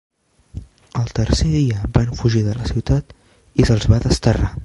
El tercer dia van fugir de la ciutat i se'ls va desterrar.